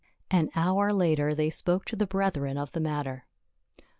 An hour later they spoke to the brethren of the matter.